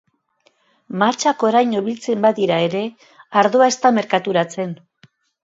Mahatsak oraino biltzen badira ere, ardoa ez da merkaturatzen.